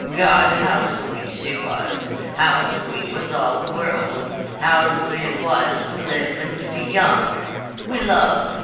God, how sweet she was! How sweet was all the world! How sweet it was to live and to be young! We loved.